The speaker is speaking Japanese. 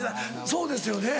そうですよね？